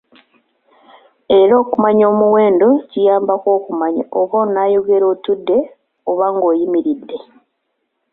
Era okumanya omuwendo kiyamba okumanya oba onaayogera otudde oba ng'oyimiride.